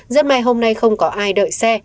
rất may hôm nay không có ai đợi xe